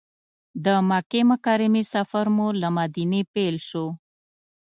د مکې مکرمې سفر مو له مدینې پیل شو.